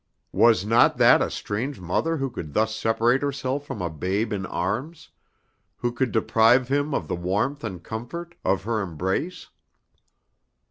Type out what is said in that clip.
Was not that a strange mother who could thus separate herself from a babe in arms; who could deprive him of the warmth and comfort of her embrace?